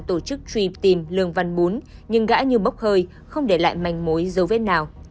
tổ chức truy tìm lường văn bún nhưng gã như bốc hơi không để lại manh mối dấu vết nào